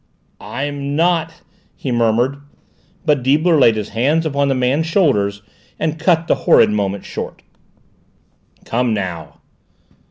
"I'm not " he murmured. But Deibler laid his hands upon the man's shoulders and cut the horrid moment short. "Come now!"